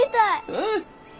うん。